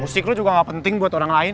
musik lu juga gak penting buat orang lain